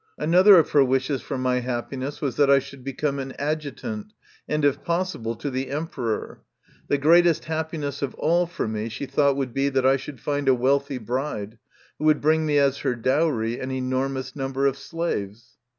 Another of her wishes for my happiness was that I should become an adjutant, and, if possible, to the Emperor ; the greatest happiness of all for me she thought would be that I should find a wealthy bride, who would bring me as her dowry an enormous number of slaves.